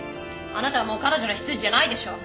あなたはもう彼女の執事じゃないでしょ。